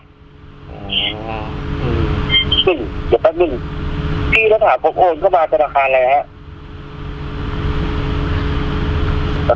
เดี๋ยวแป๊บหนึ่งพี่แล้วถามคนโอ้นก็มาจัดอาคารอะไรฮะ